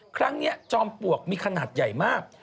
ครั้งนี้จ้อมปลวกมีขนาดใหญ่มาก